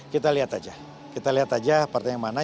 kita lihat aja kita lihat aja partai yang mana